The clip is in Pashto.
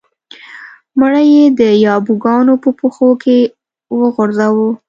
مړی یې د یابو ګانو په پښو کې وغورځاوه.